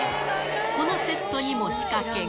このセットにも仕掛けが。